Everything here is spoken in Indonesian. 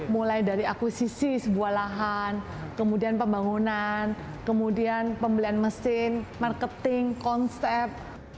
mulai dari akuisisi sebuah lahan kemudian pembangunan kemudian pembelian mesin marketing konsep